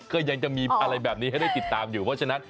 ก็ยังจะมีอะไรแบบนี้ให้ได้ติดตามอยู่เพราะฉะนั้น